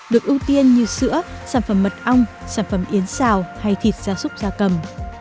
được ưu tiên như sữa sản phẩm mật ong sản phẩm yến xào hay thịt gia súc gia cầm